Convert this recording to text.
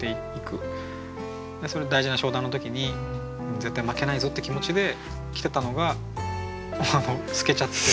それで大事な商談の時に絶対負けないぞって気持ちで着てたのが透けちゃってた。